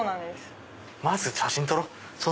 まず写真撮ろう！